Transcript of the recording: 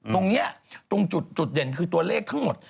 ตรงนี้ตรงจุดเด่นคือตัวเลขทั้งหมด